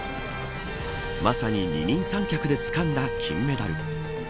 まさに二人三脚でつかんだ金メダル。